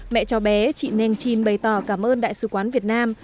mẹ cháu bé chị neng chin bày tỏ cảm ơn đại sứ quán việt nam